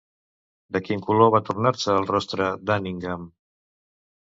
De quin color va tornar-se el rostre d'Anningan?